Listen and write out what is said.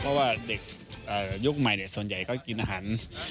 เพราะว่าเด็กยุคใหม่ส่วนใหญ่เขากินอาหาร